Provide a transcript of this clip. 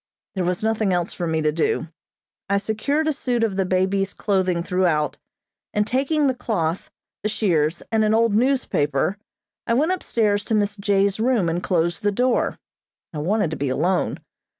There was nothing else for me to do. I secured a suit of the baby's clothing throughout, and, taking the cloth, the shears, and an old newspaper, I went upstairs to Miss J.'s room and closed the door. I wanted to be alone.